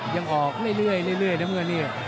ยังออกเรื่อยนะเมื่อนี้